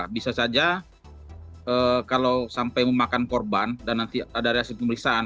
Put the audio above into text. bisa saja kalau sampai memakan korban dan nanti ada hasil pemeriksaan